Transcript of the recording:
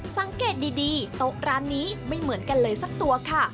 สังเกตดีโต๊ะร้านนี้ไม่เหมือนกันเลยสักตัวค่ะ